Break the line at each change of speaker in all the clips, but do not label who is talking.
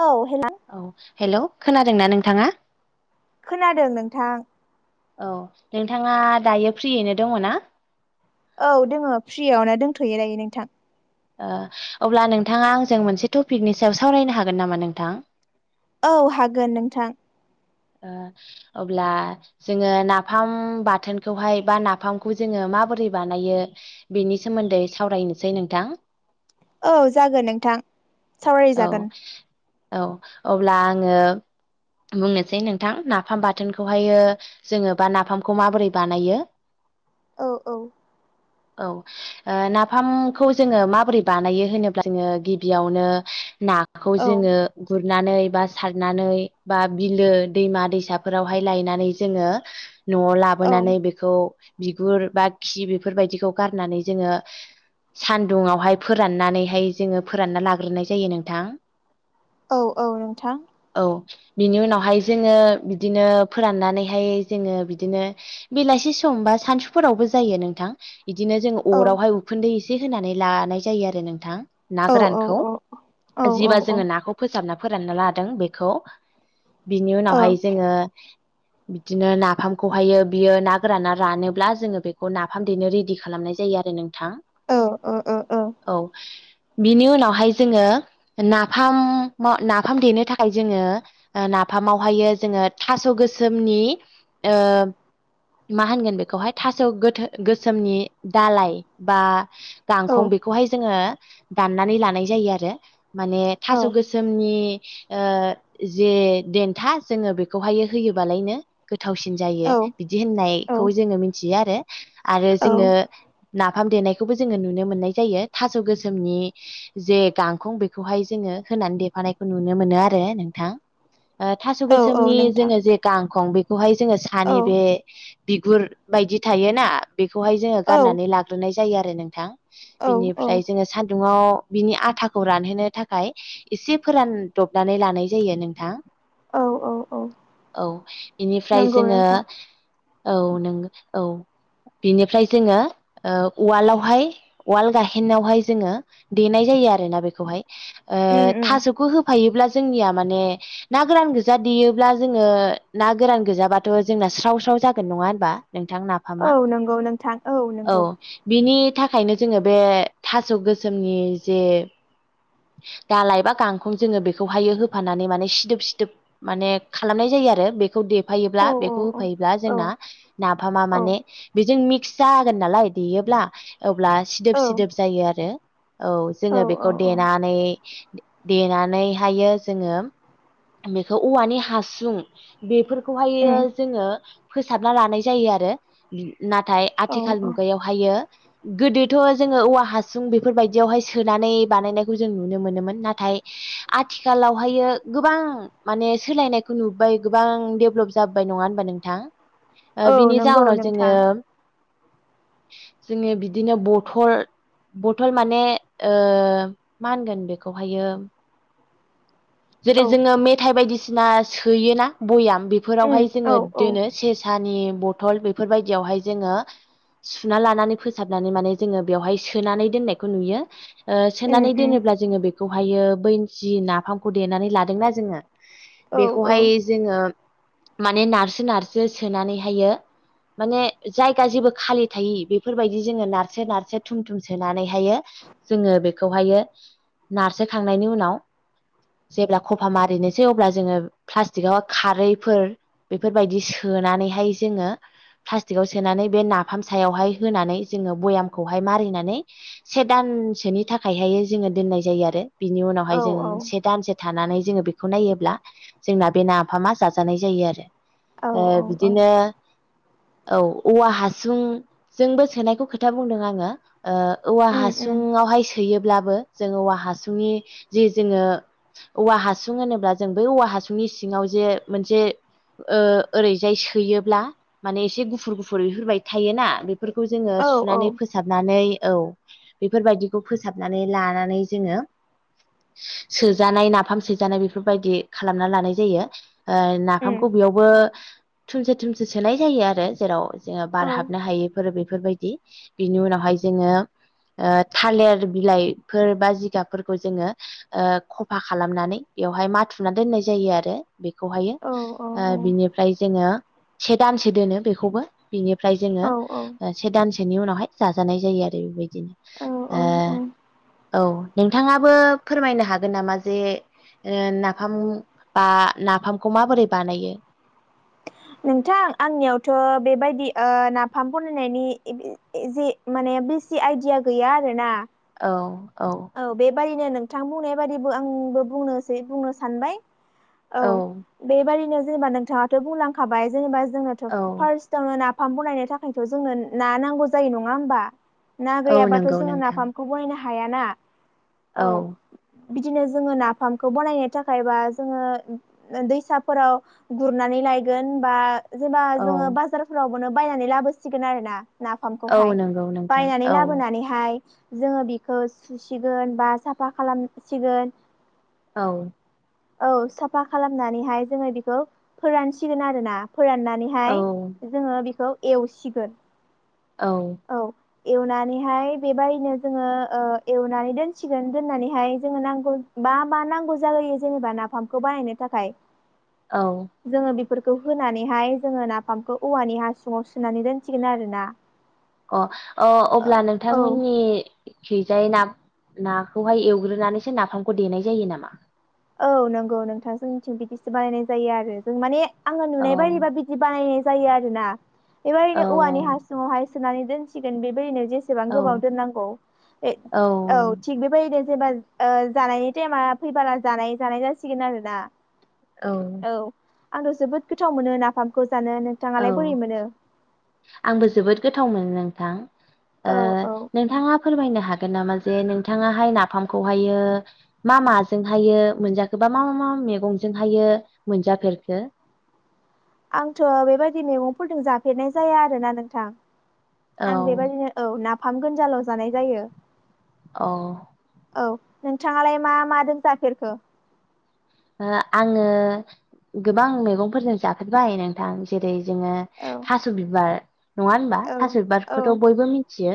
औ हेल'
औ हेल' खोनादोंना नोंथाङा?
खोनादों नोंथां
औ नोंथाङा दायो फ्रियैनो दङ ना?
औ दोङो फ्रियाव नो दोंथ'यो दायो नोंथां
ओ अब्ला नोंथाङा आंजों मोनसे टपिकनि सायाव सावरायनो हागोन नामा नोंथां?
औ हागोन नोंथां
ओ अब्ला जोङो नाफाम बाथोनखौहाय बा नाफामखौ जोङो माबोरै बानायो बेनि सोमोन्दै सावरायनोसै नोंथां
औ जागोन नोंथां
औ
सावरायजागोन
औ अब्ला आङो बुंनो सै नोंथां नाफाम बाथोनखौहायो जोङो बा नाफामखौ माबोरै बानायो
औ औ
औ ओ नाफामखौ जोङो माबोरै बानायो होनोब्ला जोङो गिबियावनो नाखौ
औ
जोङो गुरनानै बा सारनानै बा बिलो दैमा दैसाफोरावहाय लायनानै जोङो न'वाव लाबोनानै बेखौ बिगुर बा खि बेफोरबायदिखौ गारनानै जोङो सानदुंआवहाय फोराननानैहाय जोङो फोरानना लाग्रोनाय जायो नोंथां
औ औ नोंथां
औ बिनि उनावहाय जोङो बिदिनो फोराननानैहाय जोङो बिदिनो बेलासि समबा सानसुफोरावबो जायो नोंथां बिदिनो जोंङो
औ
अरावहाय उखुन्दै एसे होनानै लानाय जायो आरो नोंथां ना
औ औ
गोरानखौ
औ औ औ
जिबा
औ
जोङो नाखौ फोसाबना फोराननो लादों बेखौ बिनि उनावहाय जोङो बिदिनो नाफामखौहायो बियो ना गोराना रानोब्ला जोङो बेखौ नाफाम देनो रेडि खालाम आरो नोंथां
औ
औ बिनि उनावहाय जोङो नाफाम नाफाम देनो थाखाय जोङो ओ नाफामावहायो जोङो थास' गोसोमनि मा होनगोन बेखौहाय थास' गोसोम गोसोमनि दालाय बा
औ
गांखं बेखौहाय जोङो दाननानै लानाय जायो आरो माने थास' गोसोमनि ओ जे देन्था जोङो बेखौहायो होयोबालायनो गोथावसिन जायो
ओ ओ
बिदि
ओ
होननायखौ
औ
जोङो मिथियो आरो आरो
औ
जोङो नाफाम देनायखौबो जोङो नुनो मोननाय जायो थास' गोसोमनि जे गांखं बेखौहाय जोङो होनानै देफानायखौ नुनो मोनो आरो नोंथां ओथास'
औ औ
गोसोमनि
नोंथां
जोङो जे गांखं बेखौहाय जोङो
औ
सानि बे बिगुर बायदि थायोना बेखौहाय जोङो
औ
गारनानै लाग्रोनाय जायो आरो नोंथां
औ
बिनिफ्राय जोङो सान दुङाव बिनि आथाखौ रानहोनो थाखाय एसे फोरानदबनानै लानाय जायो नोंथां
औ औ औ
औ बेनिफ्राय
नंगौ
जोङो
नोंथां
औ नों औ बिनिफ्राय जोङो उवालावहाय उवाल गाहेनायावहाय जोङो देनाय जायो ज आरोना बेखौहाय
उम उम
थास'खौ होफायोब्ला जोंनिया माने ना गोरान गोजा देयोब्ला जोङो ना गोरान गोजाबाथ' जोंना स्राव स्राव जागोन नङा होनबा नोंथां नाफामा
औ नंगौ नोंथां
औ
नंगौ
बिनि थाखायनो जोङो बे थास' गोसोमनि जे दालाय बा गांखं जोङो बेखौहायो होफानानै माने सिदोब फिथोब माने खालामनाय जायो आरो बेखौ दे होफायोब्ला
औ औ
बेखौ
औ
होफायोब्ला जोंना
औ
नाफामा माने बेजों मि मिक्स जागोन नालाय देयोब्ला अब्ला सिदोब
औ औ
सिदोब जायो आरो औ जोङो
औ
बेखौ
औ
देनानै देनानैहायो जोङो बेखौ औवानि हासुं बेफोरखौहायो
उम
जोङो फोसाबना लानाय जायो आरो नाथाय
औ
आथिखाल
औ
मुगायावहायो गोदोथ' जोङो औवा हासुं बेफोरबायदियावहाय सोनानै बानायनायखौ जों नुनो मोनोमोन नाथाय आथिखालावहायो गोबां माने सोलायनायखौ नुबाय गोबां डेभलप जाबोबाय नङा होनबा
औ
नोंथां बिनि
नंगौ
जाउनाव जोङो
नोंथां
जोङो बिदिनो बथल बथल माने ओ मा होनगोन बेखौहायो
औ
जेरै जोङो मेथाइ बायदिसिना सोयोना बयाम
उम
बेफोरावहाय
औ
जोङो
औ
दोनो से नि बथल बेफोरबायदियावहाय जोङो सुना लानानै फोसाबनानै माने जोङो बेवहाय सोनानै दोननायखौ नुयो ओ
उम
सोनानै
उम
दोनोब्ला जोङो बेखौहायो बै जि नाफामखौ देनानै लादोंना जोङो
औ औ
बेखौहाय जोङो माने नारसो नारसो सोनानैहायो माने जायगा जेबो खालि थायि बेफोरबायदि जोङो नारसो नारसो थुम थुम सोनानैहायो जोङो बेखौहायो नारसोखांनायनि उनाव जेब्ला खफा मारिनोसै अब्ला जोङो प्लास्टिकआव खारैफोर बेफोरबायदि सोनानै हाय जोङो प्लास्टिकआव सोनानै बे नाफाम सायावहाय होनानै जोङो भयामखौहाय मारिनानै से दान नि थाखायाय जोङो दोननाय जायो आरो बिनि
औ
उनावहाय जों से दानसे थानानै जोङो बेखौ नायोब्ला जोंना बे नाफामा जाजानाय जायो आरो
औ औ उम उम
बिदिनो औ औवा हासुंजोंबो सोनायखौ खोथा बुंदों आङो औवा
औ उम
हासुङावहाय सोयोब्लाबो जों औवा हासुंनि जि जोङो औवा हासुं होनोब्ला जों बै औवा हासुंनि सिङाव जे मोनसे ओरैजाय सोयोब्ला माने एसे गुफुर गुफुर बिहरबायदि थायोना बेफोरखौ जोङो
औ औ
सुनानै फोसाबनानै औ बेफोरबायदिखौ फोसाबनानै लानानै जोङो जानाय नाफाम सोजानाय बेफोरबायदि खालामना लानाय जायो नाफामखौ बेयावबो थुमसे थुमसे सोनाय जायो आरो जेराव जोङो बार हाबनो हायैफोर बे बेफोरबायदि बिनि उनावहाय जोङो थालिर बिलाइफोर बा जिगाबफोरखौ जोङो साफा खालामनानै बेवहाय माथुना दोननाय जायो आरो बेखौहायो बिनिफ्राय जोङो से दानसो दोनो बेखौबो बिनिफ्राय जोङो
औ
से दानसेनि उनावहाय जाजानाय जायो आरो बेबायदि
औ औ
औ नोंथाङाबो फोरमायनो हागोन नामा जे नाफाम बा नाफामखौ माबोरै बानायो
नोंथां आंनियावथ' बेबायदि नाफाम बनायनायनि जि माने बेसि आइदिया गैया आरोना
औ औ
थारैनो नोंथां बुंनाय बादैबो आंबो बुंनोसै बुंनो सानबाय औ बेबादिनो जेनेबा नोंथाङाथ' बुंलांखाबाय जेनेबा जोंङोथ'
औ
फार्स्टआवनो नाफाम बनायनो थाखायथ' जोंनो ना नांगौ जायो नङा होमबा? ना
औ
गैयाबाथ'
नंगौ
जोंङो
नोंथां
नाफाम खौ बनायनो हायाना
औ
बिदिनो जोङो नाफामखौ बनायनो थाखाय बा जोङो दैसाफोराव गुर लायगोन बा जेबा
औ
जोङो बाजारफोरावनो बायनानै लाबोसिगोन आरोना।
औ
नाफामखौहाय
नंगौ नोंथां
बायनानै
औ
लाबोनानैहाय जोङो बिखौ सुसिगोन बा साफा खालामसिगोन।
औ
औ साफा खालामनानैहाय जोङो बेखौ फोरानसिगोन आरो ना।
औ
फोराननानैहाय जोङो बेखौ एवसिगोन।
औ
एवनानैहाय बेबायदिनो जोङो एवनानै दोनसिगोन दोननानैहाय जोङो नांगौ बा मा नांगौ जायो जेनेबा नाफामखौ बानायनो थाखाय
औ
थाखाय जोंङो बिखौ फोरखौ होनानैहाय जोङो नाफामखौ औवानि हासुङाव सोनानै दोनसिगोन आरो ना।
अ अब्ला
औ
नोंथांमोननि खिजायै ना नाखौहाय एवग्रोनानैसो नाफामखौ देनाय जायो नामा?
औ नंगौ नोंथां जोंनिथिं बिदिसो बानायनाय जायो आरो जों माने आङो
औ
नुनाय बायदिबा बिदि बानायनाय जायो आरोना
औ
बेबायदिनो औवानि हासुावहाय सोनानै दोनसिगोन बेबायदिनो जेसेबां
औ
गोबाव दोननांगौ औ थिग बेबायदिनो जेनेबा जानायनि टाइमा फैबाला जानाय जानाय जासिगोन आरोना।
औ
आंङो जोबोद गोथाव मोनो नाफामखौ जानो
औ
नोंथाङालाय बोरै मोनो।
आंबो जोबोद गोथाव मोनो नोंथां
औ औ
नोंथाङा। फोरमायनो हागोन नामा जे नोंथाङाहाय नाफामखौहायो मा माजोंहायो मोनजाखो। मा मा मैगंजों हायो मोनजाफेरखो।
आंथ' बेबायदि मैगंफोरजों जाफेरनाय जाया आरोना नोंथां।
औ
आं बेबायादिनो औ नाफाम गोनजाल' जानाय जायो।
औ
औ नोंथाङालाय मा माजों जाफेरखो
आङो गोबां मैगंफोरजों जाफेरबाय नोंथां। जेरै जोङो
औ
थास' बिबार नङा होनबा
औ
थास'
औ
बिबारखौथ' बयबो मिथियो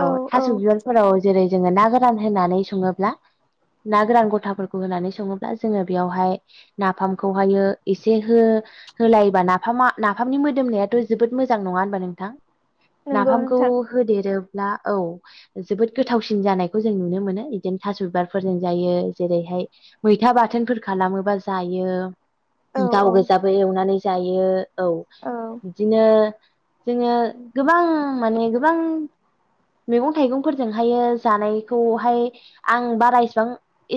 औ थास' बिबारफोराव जेरै जोङो ना गोरान होनानै सङोब्ला ना गोरान गथाफोरखौ होनानै सङोब्ला जोङो बेयावहाय नाफामखौहायो एसे होलायोबा नाफामा नाफामनि मोदोम मनायाथ' जोबोद मोजां नङा होनबा नोंथां
नंगौ
नाफामखौ
नोंथां
होदेरो। ला औ जोबोद गोथावसिन जानायखौ जों नुनो मोनो बिदिनो थास' बिबारफोरजों जायो। जेरैहाय मैथा बा थोनफोर खालामोबा जायो
औ
गाव गोजाबो एवनानै जायो। औ
औ
बिदिनो जोङो गोबां माने गोबां मैगं थाइगंफोरजोंहायो जानायखौहाय आं बारा इसेबां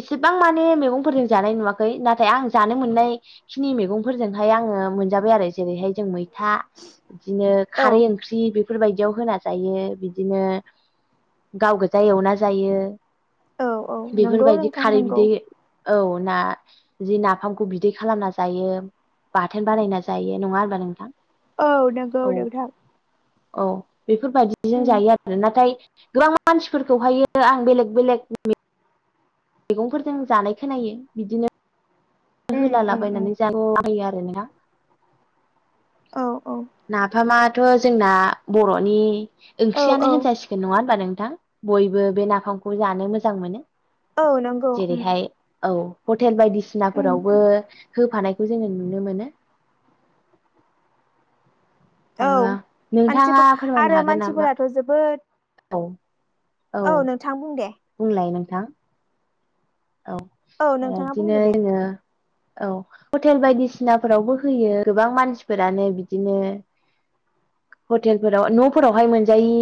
एसेबां माने माने मैगंफोरनि जानाय नुवाखै नाथाय आं जानो मोननायखिनि मैगंफोरजोंहाय आङो मोनजाबाय आरो जेरैहाय जों मै था बिदिनो
औ
खारै ओंख्रि बे बेफोरबायदियाव होना जायो बिदिनो गाव गोजा एवना जायो।
औ औ नंगौ
बेफोरबायदि
नोंथां
खारै
नंगौ
बिदै औ ना जि नाफामखौ बिदै खालामना जायो। बाथोन बानायना जायो नङा होनबा नोंथां?
औ नोंगौ
औ
नोंथां
औ बेफोरबादिजों
उम
जायो आरो नाथाय गोबां मानसिफोरखौहायो आं बेलेग बेलेग मैगंफोरजों जानाय खोनायो बिदिनो
उम उम उम
होलालाबायनानै जानाय आरो [unintelligible]
औ औ
थ' जोंना बर'नि
औ
ओंख्रियानो
औ
होनजासिगोन नङा होनबा नों थां बयबो बे नाफामखौ जानो मोजां मोनो
औ नंगौ उम
जेरैहाय औ हटेल बायदिसिना
उम
फोरावबो होफानायखौ जोङो नुनो मोनो ओ
औ
नोंथाङा
मानसिफोर
फोरमायनो
आरो
हागोन नामा
मानसिफोराथ' जोबोद
औ
औ नोंथां बुं दे
थां औ
औ नोंथाङा
बिदिनो
बुंदो दे
जोङो औ हटेल बायदिसिनाफोरावबो होयो गोबां मानसिफोरानो बिदिनो हटेलफोराव न'फोरावहाय मोनजायि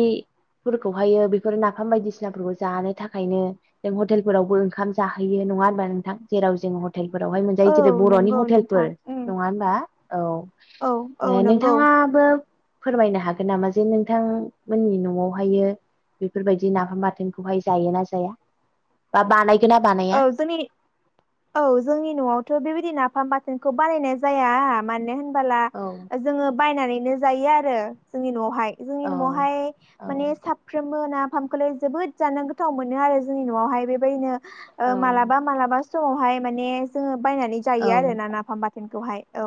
फोरखौहायो बेफोर नाफाम बायदिसिनाफोरखौ जानो थाखायनो जों हटेलफोरावबो ओंखाम जाहैयो नङा होमबा नोंथां जेराव जों ह हटेलफोरावहाय मोनजायो
औ
जेरै बर'नि
नंगौ नोंथां
हटेलफोर
उम
नङा होमबा औ
औ औ नंगौ
नोंथाङाबो फोरमायनो हागोन नामा जे नोंथांमोननि न'वावहायो बेफोरबायदि नाफाम बाथोनखौहाय जायोना जाया बा बानाय
औ जोंनि औ जोंनि न'वावथ' बेबायदि नाफाम बाथो खौ बानायनाय जाया मानो होनबोला
औ
जोङो बायनानैनो जायो आरो जोंनि न'आवहाय जोंनि
औ
न'आवहाय म साफ्रो मबो नाफामखौलाय जोबोद जानो गोथाव मोनो आरो जोंनि न'आवहाय बेबायदिनो ओ
औ
मालाबा मालाबा समावहाय माने जोङो बायनानै
औ
जायो आरो ना नाफाम बाथोनखौहाय औ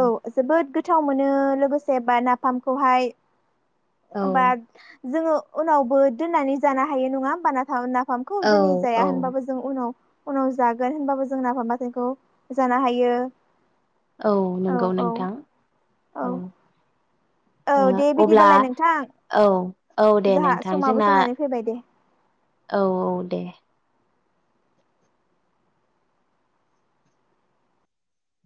औ जोबोद गोथाव मोनो लोगोसे बा नाफामखौहाय
औ
हमबा जोङो उनावबो दोननानै जानो हायो नङा होमबा ना खौ
औ
जों जाया
औ
होमबाबो उनाव जागोन होनबाबो जों नाफाम खौ जानो हायो
औ नंगौ नोंथां
औ
औ
औ दे
अब्ला
बिदिबालाय नोंथां
औ औ दे
जोंहा
नोंथां
समाबो
जोंना
जानानै फैबाय दे
औ औ दे